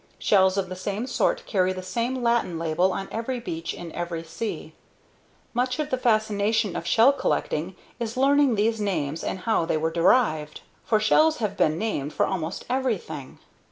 Shells of the same sort carry the same Latin label on every beach in every sea. Much of the fascination of shell collecting is learning these names and how they were derived. .. for shells have been named for almost everything.